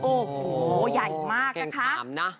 โอ้โหใหญ่มากนะคะ